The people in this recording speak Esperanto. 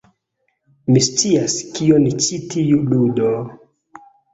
Mi scias kion ĉi tiu ludo...